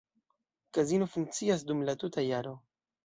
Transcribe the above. Kazino funkcias dum la tuta jaro.